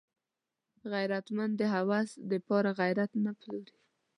غیرتمند د هوس د پاره غیرت نه پلوري